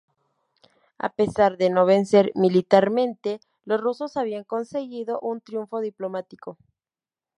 A pesar de no vencer militarmente, los rusos habían conseguido un triunfo diplomático.